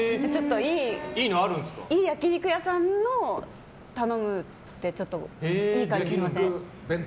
いい焼き肉屋さんのを頼むっていい感じしません？